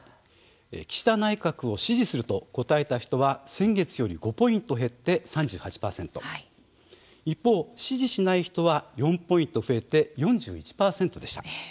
岸田内閣を支持すると答えた人は先月より５ポイント減って３８％一方、支持しない人は４ポイント増えて４１％でした。